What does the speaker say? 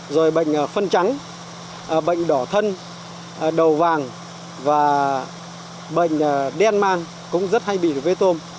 rồi bệnh phân trắng bệnh đỏ thân đầu vàng và bệnh đen man cũng rất hay bị vê tôm